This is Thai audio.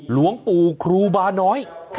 หลวงปู่ครูบาน้อย